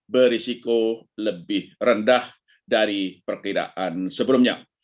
berisiko lebih rendah dari perkiraan sebelumnya